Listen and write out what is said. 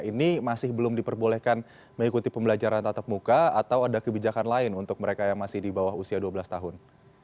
ini masih belum diperbolehkan mengikuti pembelajaran tatap muka atau ada kebijakan lain untuk mereka yang masih di bawah usia dua belas tahun